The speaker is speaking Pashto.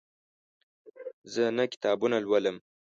زه نهه کتابونه لولم.